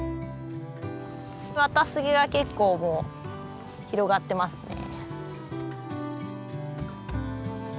ワタスゲが結構もう広がってますね。